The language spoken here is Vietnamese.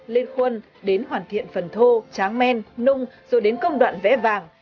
lên khuân đến hoàn thiện phần thô tráng men nung rồi đến công đoạn vẽ vàng